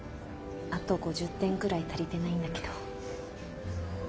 あと５０点ぐらい足りてないんだけど。